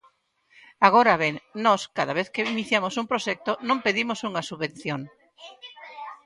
Agora ben, nós cada vez que iniciamos un proxecto non pedimos unha subvención.